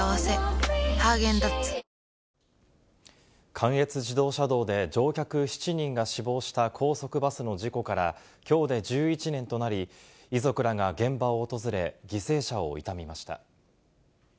関越自動車道で乗客７人が死亡した高速バスの事故からきょうで１１年となり、遺族らが現場を訪れ、犠牲者を悼みました。